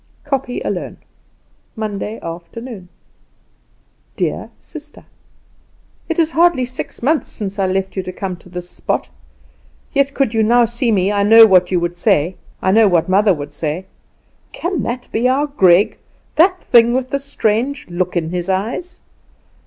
"Kopje Alone, "Monday afternoon. "Dear Sister, It is hardly six months since I left you to come to this spot, yet could you now see me I know what you would say, I know what mother would say 'Can that be our Greg that thing with the strange look in his eyes?